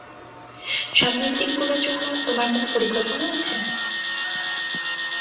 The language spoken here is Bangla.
সামনের দিনগুলোর জন্য তোমার কোনো পরিকল্পনা আছে?